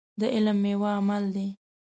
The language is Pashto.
د علم ميوه عمل دی.